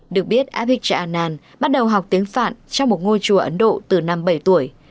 được biết abhigya anand bắt đầu học tiếng phạn trong một ngôi chùa ấn độ từ năm bảy tuổi